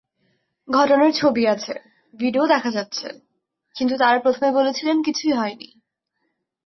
ঘটনার ছবি আছে, ভিডিও দেখা যাচ্ছে, কিন্তু তাঁরা প্রথমে বলছিলেন কিছুই হয়নি।